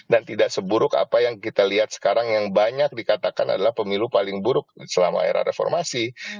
dan tidak seburuk apa yang kita lihat sekarang yang banyak dikatakan adalah pemilu paling buruk selama era reformasi